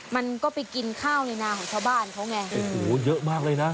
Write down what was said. มันก็ไปกินข้าวในนาของชาวบ้านเขาไงโอ้โหเยอะมากเลยนะ